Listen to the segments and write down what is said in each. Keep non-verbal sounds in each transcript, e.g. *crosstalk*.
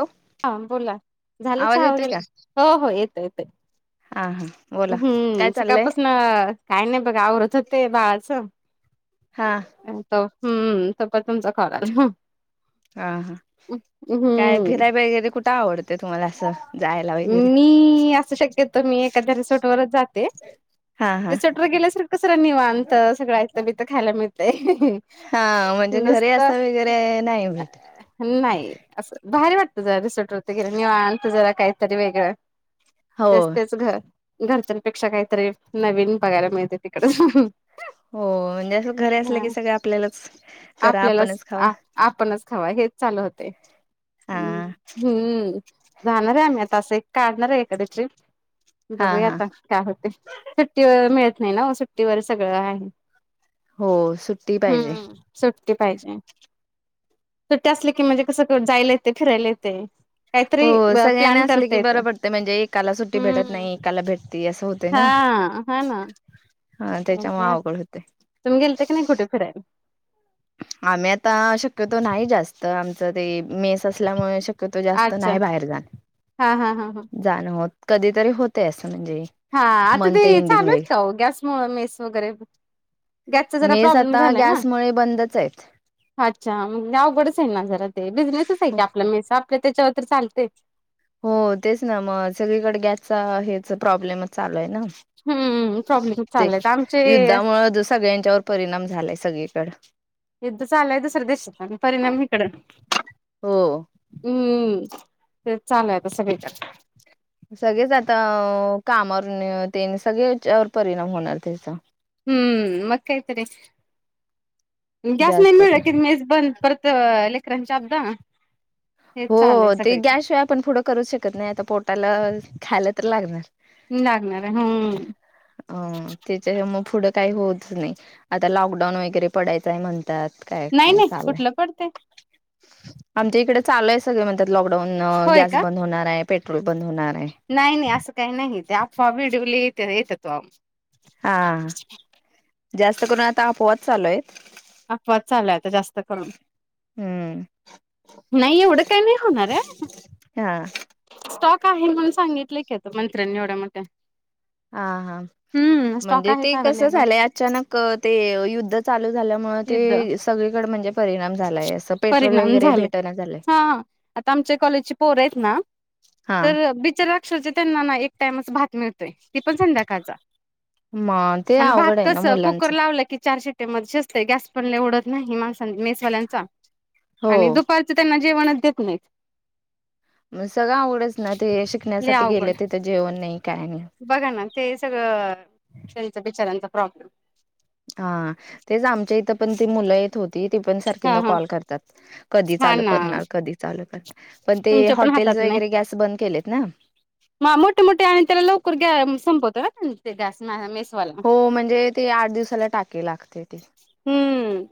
Hello हा बोला. झालं आवाज चहा येतोय का वगैरे? हो हो, येतोय येतोय. हा हा. बोला हम्म, काय चाललंय सकाळपासून काही नाही बघा, आवरत होते बाळाचं. हां. त हम्म, *unintelligible* तुमचा कॉल आला. हा हा, काय हम्म फिराय वगैरे, कुठ आवडते तुम्हाला असं जायला वगैरे? अस शक्यत मी एखाद्या रिसोर्ट वरच जाते. हा हा रिसॉर्ट वर गेल्यासर कसं र निवांत, सगळं आयत बीयत खायला मिळतय. हा म्हणजे घरी नुसता असं वगैरे नाही भेट नाही. असं भारी वाटतं जरा रिसॉर्टवरती गेल्यावरती, निवांत जरा काहीतरी वेगळं. हो तेच तेच घर, घरच्यांपेक्षा काहीतरी नवीन बघायला मिळते तिकड. हो म्हणजे असं घरी असलं की, सगळ आपल्यालाच करा, आपल्यालाच आपणच खावा. आ आपणच खावा हेच चालू होतय, हा हम्म. जाणार आहे आम्ही आता असं एक काढणार आहे एखाद ट्रिप हा बघूया हा आता. काय होतंय सुट्टीवर मिळत नाही ना सुट्टीवर सगळं आहं. हो सुट्टी पाहिजे. सुट्टी पाहिजे सुट्टी असली की म्हणजे कसं जायला येतंय फिरायला येतंय. हो काहीतरी सगळ्यांना प्लॅन असले करता की येत. बरं पडते म्हणजे एकाला सुट्टी भेटत हम् नाही एकाला भेटते असं होते हा. ना हा ना. हा त्याच्यामुळं अवगड होतंय. तुम्ही गेलति का नाही कुठं फिरायला? आम्ही आता शक्यतो नाही जास्त आमचं ते मेस असल्यामुळे शक्य‍ तो जास्त अच्छा नाही बाहेर हा हा हा हा जाणं जाणं होत कधीतरी होतय असं म्हणजे, हा आता ते मंथ एंडिंग चालू वे आहेत का हो गॅसमुळे मेस वगैरे? गॅसचा जरा मेस प्रॉब्लेम आता झालाय ना. गॅसमुळे बंदच आहेत. अच्छा म्हणजे अवघड च आहे ना जरा ते बिझनेसच आहे की आप मेस हाफते त्याच्यावर तरी चालतंय. हो तेच ना मग सगळीकडे गॅसचा हेच प्रॉब्लेमच चालू आहे नव्हं. हम्म प्रॉब्लेम ते चाललेत आमचे युद्धामुळे दू सगळ्यांच्यावर परिणाम झालायं सगळीकडं. युद्ध चालू आहं दुसऱ्या देशाात आणि परिणाम हिकडं. हो. हम्मम तेच चालू आहं आता सगळीकडं. *unintelligible* सगळेच आता कामावर ते सगळेच हच्यावर परिणाम होणार त्याचा. हम्म मग काय तरी आणं गॅस नाही जास्त पण मिळलं मेस बंद पर तर लेकराची अबदा. हेच हो चालू आहे ते सगळीकडे गॅस शिवाय आपण पुढं करू शकत नाही आता पोटाला खायला तर लागणार. लागणार आहं हम. ते मग पुढं काही होत नाही आता लॉकडाऊन वगैरे पडायचं आहे म्हणतात. काय नाही काय नाही चाललंय कुठंल पडतंय. आमच्या इकडे चालू आहे सगळे म्हणतात लॉकडाऊन होय गॅस का बंद होणार आहे. पेट्रोल बंद होणार आहे. नाही नाही असं काही नाही ते अफवा व्हिडिओ लई येत येतात तवा. हा जास्त करून आता अफवाच चालू हाईत. अफवाच चालू आहे, आता जास्त करून. हम्म नाही एवढं काय नाही होणार आहं. हा. स्टॉक आहे म्हणून सांगितले की आता मंत्र्यांनी एवढ्या मोठ्या. हा हा हम्म स्टॉक म्हणजे आहेत ते कसं अवेलेबल झालंय अचानक युद्ध, चालू झाल्यामुळं युद्ध ते सगळीकडे म्हणजे परिणाम झालायं असं पेट्रोल परिणाम वगैरे झाले भेटणा झालंय. हा. आता आमच्या कॉलेजची पोहर आहेत ना हा तर बिचाराअक्षरशा त्यांना ना एक टाइमच भात मिळतो. ते पण संध्याकाळचा मग ते आणं भात अवघड आहे ना कसं कुकर मुलांचं लावला कि चार शिटया ते मग शिजतंय गॅस पण लई वढत नाही माण मेसवाल्यांचा हो आणि दुपार, तर त्यांना जेवणच देत नाही. मग सगळं अवघडच ना ते लय शिकण्यासाठी अवघड गेले तिथं जेवण नाही काय नाही. बघा ना ते सगळं त्यांच बिचारांचा प्रॉब्लेम. हा तेच आमच्या इथं पण ती मुलं येत होती ती पण हा सारखींदा हा कॉल करतात. कधी हा चालू ना करणार, कधी चालू करनार पण ते तुमच्या पण हातात हॉटेल नाही. वगैरे गॅस बंद केलेत ना. मोठे, मोठे हाय आणि त्याला लवकर ग संपवतो ना गॅस? हो म्हणजे ते आठ दिवसाला टाकि लागते ते. हम्म.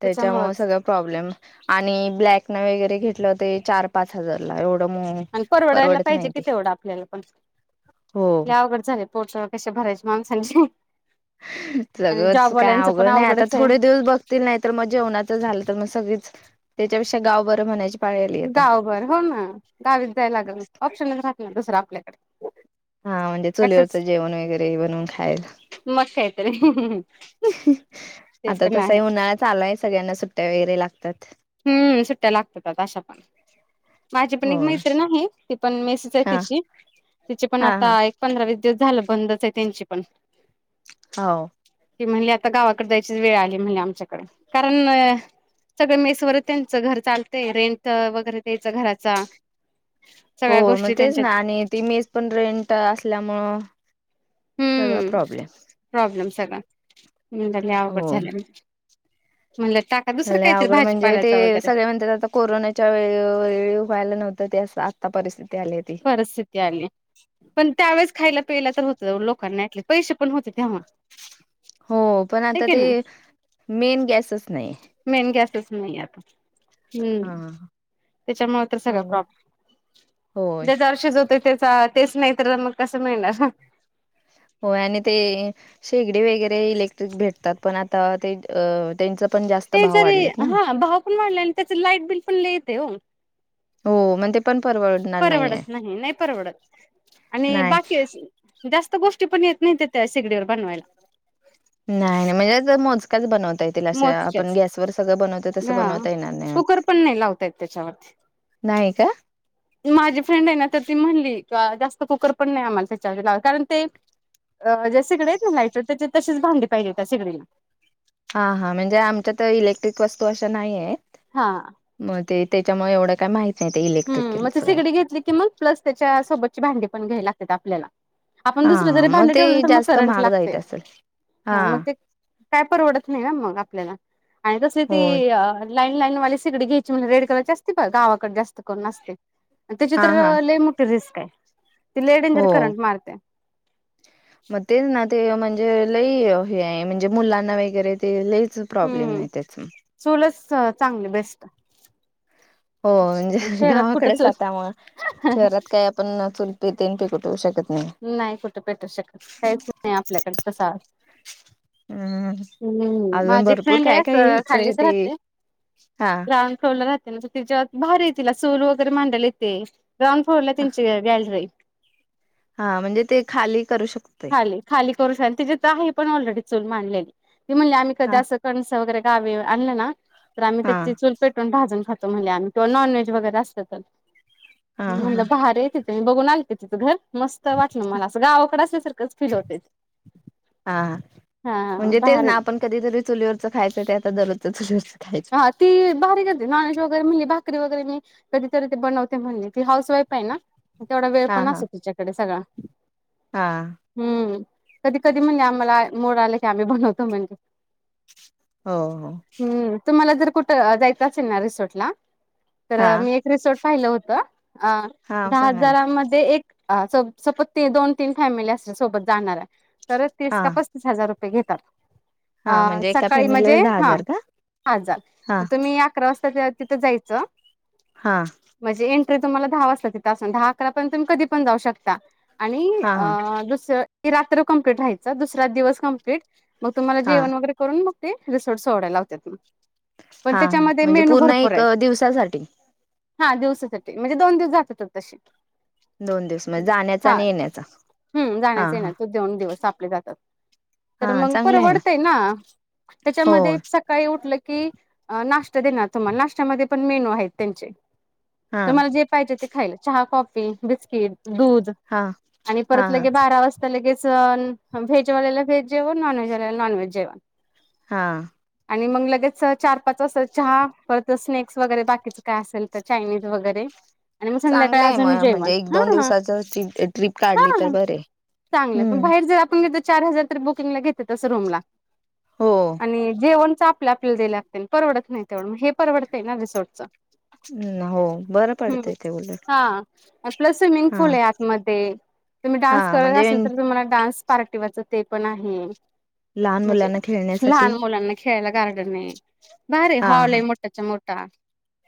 त्याच्यामुळे सगळ प्रॉब्लेम आणि ब्लॅकने वगैरे घेतलं होते चार पाच हजारला एवढं म आणि परवडायला परवडत नाही ते. हो या अवगड झाले पोच कशे भरायचे माणसांचे. आणि सगंळ च काय जॉबवाल्यांचं पण अवघड नाही आता अवघडच आहे. थोडे दिवस बघ नाही तर मग जेवणाच झालं तर मग सगळीच त्याच्यापेक्षा गाव बरं म्हणायची. पाळी आली आता गावभर हो ना गावीत जायला लागन ऑप्शनच राहत नाही दुसरां आपल्या हा म्हणजे चुलीवरचं जेवण वगैरे बनवून खायल. मस्त आहे तरी, ह ह. आता तसही उन्हाळा चाललाय आहेय सगळ्यांना सुट्टया वगैरे लागतात. हम्म, सुट्टया लागतात अशा पण माझी पण एक होय. मैत्रीण ती पण मे हा तिची, तिची पण हा आता हा. एक पंधरा, वीस दिवस झालं बंदच आहे त्यांची पण. होऊ. की म्हणले आता गावाकडे जायचीच अन वेळ आली आमच्याकडे कारण सगळं मेस मेस वर त्यांच घर चालते रेंट वगैरे द्यायच घराचा हो सगळ्या गोष्टी मग तेच ना त्यांच्यात आणि ती मेस पण रेंट असल्यामुळं सगळा हम्म, प्रॉब्लेम. प्रॉब्लेम सगळा, नंतर लय अवघड हो. झालंया. म्हणलं टाक लई अवघडं म्हणजे ते सगळे म्हणतात आता कोरोनाच्या वेळी, वेळी व्हायला नव्हतं ते आत्ता परिस्थिती आली होती. परिस्थिती आली. पण त्यावेळेस खायला प्यायला तर होत लोकांना ऍटलिस्ट पैसे पण होते तेव्हा. हो पण हाय आता की ते नाही मेन गॅसेस नाहीये. मेन गॅसच नाहीये आता. हम्म हा. त्याच्यामुळे तर सगळ अवघड प्रॉप होय *unintelligible* शिजवते त्याचा तेच नाही तर मग कस मिळणार? होय आणि ते शेगडी वगैरे इलेक्ट्रिक भेटतात पण आता ते त्यांच ते जरी हा भाव पण वाढलेले आणि त्याच लाईट बिल पण लय येते हो. हो मग ते पण परवडणार नाहीये परवडत नाही, नाही परवडत आणि नाही बाकी जास्त गोष्टी पण येत नाही त्या त्या शेगडीवर बनवायला. नाही, नाही म्हणजे अस मोजकच बनवता येत. तिला असं आपण मोजक्याच गॅस वर सगळं बनवतो तस हा बनवता येणार नाही कुकर वाटते. पण नाही लावता येत नाही का? ते माझी फ्रेंड आहे ना तर ती म्हणली का जास्त कुकर पण नाही आम्हाला त्याच्या ला कारण ते अ ज्या शेगडी आहेत ना लाईटवर त्याच्या तशीच भांडी पाहिजे त्या सिगडीला. हा हा म्हणजे आमच्या त्या इलेक्ट्रिक वस्तू अशा नाही आहेत. हा. मग ते त्याच्यामुळे एवढं काय माहित नाही ते हम्म, मग इलेक्ट्रिकलच ते काय सिगडी घेतली की मग प्लस त्याच्या सोबतची भांडी पण घ्यावी लागते आपल्याला. आपण हा दुसर जरी मग भांड ते ठेवलं ना तर मग जास्त करंट महाग लागते जायत असेल हा मग ते काय परवडत नाही ह मग आपल्याला आणि तस ते हो लाईन, लाईनवाली सिकडी घ्यायची म्हणुन रेड कलरची असते पाय गावाकडे जास्त करून असते? त्याची हा तर हा लई मोठी रिस्क आहे. ती लई डेंजर हो करंट मारते. मग तेच ना ते म्हणजे लई हे म्हणजे मुलांना वगैरे ते लईच प्रॉब्लेम हम्म नाही त्याच. चूलच चांगली बेस्ट. हो म्हणजे शहरात कुठं गावाकडे चूल जातामुळे शहरात काही आपण चुलपी तेन पीटवू ठेवू शकत नाही. नाही कुठं पेटू शकत काहीच नाही आपल्याकडे तसा. हम्म हम्म. अजून माझी एक भरपूर फ्रेंड काय काय घ्यायचंय खालीच ते राहते. हा श्रावण सोडलं तर त्यां तिच्यात बाहेर आहे तिला चूल वगैरे मांडाला येते ग्राउंड फ्लोअरला हा त्यांची गॅलरी हाय. हा म्हणजे ते खाली करू शक खाली करू शकते. तिची आहे पण ऑलरेडी चूल मांडलेली. ती म्हटली हा असं कंनस वगैरे गावी आणलं ना तर आम्ही हा त्याची चूल पेटून भाजून खातो म्हण. किंवा नॉन व्हेज वगैरे असत तर. हा म्हटलं हा भारी आहे. बघून आली थी तिथं घर मस्त वाटलं मला असं गावाकडेचे असल्यासारखं. हा. हा म्हणजे तेच भारी ना आपण ण कधीतरी चुलीवरच खायचं ते आता दरोजच चुलीवरच खायचं. हा ती बारी करते नॉज वगैरे मिली भाकरी वगैरे मी कधीतरी ते बनवते म्हणली. ती हाऊस वाईफ आहे ना. तेवढा वेळ हा पण हा असतो तुच्याकडे सगळां. हा हम्म. कधी कधी म्हणले आम्हाला मोड आलं की आम्ही बनवतो म्हणली. हो. हम्म तुम्हाला कुठं जायचं असेल ना रिसॉर्टला. तर हा मी एक रिसॉर्ट होतं. अ हा दहा सांगा ना हजारामध्ये एक सपोज त दोन-तीन फॅमिली असल्या सोबत जाणार आहे तर तिस हा का पस हजार रुपये घेतात. अ हा म्हणजे एका सकाळी फॅमिलीला म्हणजे? दहा हा. हजार का हा झाल. हा मग तुम्ही अकरा वाजता तिथं जायचं. हा. म्हणजे एंट्री तुम्हाला दहा वाजता तिथासून दहा अकरा पण तुम्ही कधी पण जाऊ शकता. आणि हा हा दुसरं रात्र कमप्लीट राहायचं दुसरा दिवस कमप्लीट मग तुम्हाला हा जेवण वगैरे करून मग ते रिसोर्ट सोडायला लावत्यात. पण हा त्याच्यामध्ये म्हणजे मेनू पूर्ण भरपूर एक आहेत. दिवसासाठी हा दिवसासाठी म्हणजे दोन दिवस जातातच तसे. दोन दिवस म्हणजे जाण्याचा हा. आणि येण्याचा हम्म. हा जाण्याचं हा येण्याच. दोन दिवस आपले जातात. तर हा मग चांगलं आहे परवडते ना. हो त्याच्यामध्ये काही उठलं की नाश्ता देणार तुम्हाला. नाश्त्यामध्ये पण मेनू आहेत त्यांचे. हा तुम्हाला जे पाहिजे ते खाईल चहा कॉफी, बिस्किट, दूध. हा आणि हा परत लगे बारा वाजता तर लगेच व्हेजवाल्याला व्हेज जेवण नॉनव्हेजवाल्याला नॉन व्हेज जेवण. हां. आणि मग लगेच चार-पाच अस चहा परत स्नॅक्स वगैरे बाकीच काय असेल तर चायनीज वगैरे. आणि मग संध्याकाळी चांगलं आहे अजून मग जेवण. म्हणजे एक हा. दोन दिवसाच ट्रिप काढली तर हा. बरे चांगलं. पण हम्म बाहेर जर आपण घेतो चार हजार बुकिंग ला घेतातच रूमला. हो आणि जेवण लागते. परवडत नाही तेवढ मग हे परवडतं ना रिसोर्टचं. हो बरं हम्म पडतंय ते उलट हा, प्लस, स्विमिंग हा पूल आहे आतमध्ये तुम्ही हा डान्स करत म्हणजे असेल तर, तुम्हाला डान्स पार्टिवाच ते पण आहे,, लहान म्हणजे मुलांना खेळण्यासाठी लहान मुलांना खेळाला गार्डन आहे भारी हा हॉल आहे मोठ्या मोठा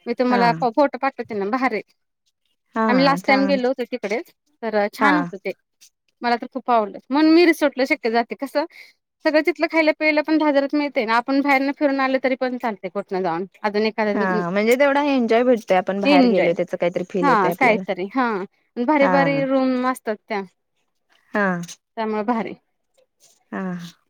मी हा तुम्हाला फोटो पाठवते ना बाहेरे हा आम्ही हा लास्ट टाइम चांगल गेलो होतो तिकडे तर हा छान होतं ते मला तर खूप आवडलं मग मी तर रिसॉर्टला शक्यतो जाते कसं सगळ तिथलं खायला पियला पण बाजारात मिळतं ना आपण बाहेर ना फिरून आलं तरी पण चालते कोठं जाऊन अजून एक हा म्हणजे तेवढा एन्जॉय भेटतोय आपण बाहेर एंजॉय गेलो त्याच काहीतरी फील येते हा, आपल्याला कायतरी हा भारी हा भारी रूम असतात त्या हा त्यामुळे भारी हा,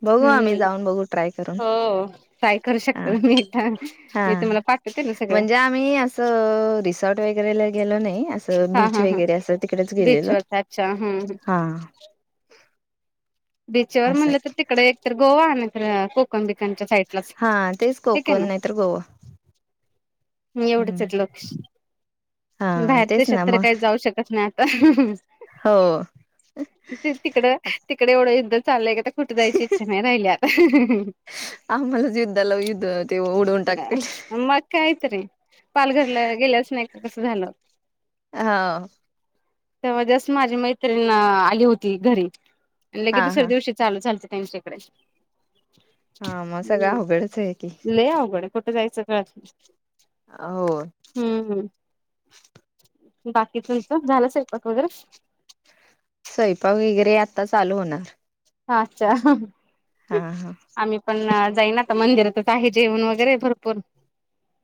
बघू आम्ही हम्म जाऊन बघू ट्राय करू हो काय करू शकत मी एकदा मी तुम्हाला पाठवते ना सगळं- मी असं रिसॉर्ट वगैरेला गेलो नाही हा बीच हा हा वगैरे असं तिकडेच गेलेलं, बीचवरच अच्छा हम्म हा बीचवर असं म्हणलं तर आहे तिकडे एक तर गोवा, नाहीतर कोकण ककंबिकांच्या साईटलाच आहे हा तेच ठीक कोकण आहे नाही तर गोवा एवढंचच लक्ष, हा बाहेर तेच देशात ना तर मग काही जाऊ शकत नाही आता हो तिकड तिकडे एवढं युद्ध चाललंय का तर कुठे जायची इच्छा नाही राहिली आता आम्हालाच युद्धाला युद्ध ते टाकतील मग कायतरी पालघरला गेल्याच नाही का कस झालं हवं त्यामध्येच माझी मैत्रिण आली होती घरी आणि हा लगेच दुसऱ्या हा दिवशी चालू झालत त्यांच्याकडे हा मग सगळं अवघडच आहे की पण कुठे जायचं- नाही हो हम्म हम् बाकी तुमचं झालं स्वयंपाक वगैरे स्वयंपाक वगैरे आता चालू हुणार अच्छा हा हा आम्ही पण जाईन आता मंदिरातच आहे जेवण वगैरे भरपूर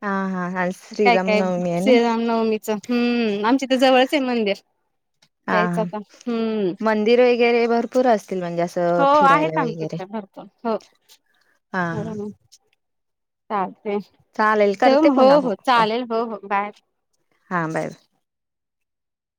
हा हा आज काय, श्रीराम काय नवमी आहे ना श्रीराम नवमी हम्म, आमचे तर जवळच आहे मंदिर हा हा जायचं का हम्म मंदिर ऐक वगैरे भरपूर असतील म्हणजे अस हो आहेत आमच्या इकडे भरपूर हा हो चालते चालेल ठेव करते मग, हो, पुन्हा हो, कॉल चालेल हो हो बाय हा बाय बाय